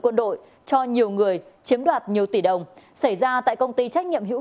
quân đội cho nhiều người chiếm đoạt nhiều tỷ đồng xảy ra tại công ty trách nhiệm hữu